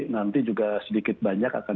nanti juga sedikit banyak akan